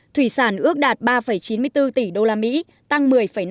thủy sản ước đạt ba chín mươi bốn tỷ usd tăng một mươi năm